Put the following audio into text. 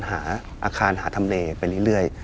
หาอาคารหาทำเลไปเรื่อย